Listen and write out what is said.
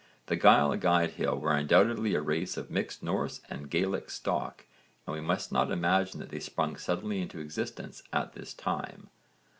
The Gaill Gaedhil were undoubtedly a race of mixed Norse and Gaelic stock and we must not imagine that they sprung suddenly into existence at this time.